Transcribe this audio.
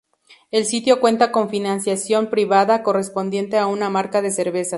El sitio cuenta con financiación privada, correspondiente a una marca de cervezas.